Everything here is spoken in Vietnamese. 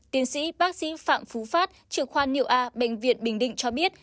tiến sĩ bác sĩ phạm phú phát trưởng khoa niệm a bệnh viện bình định cho biết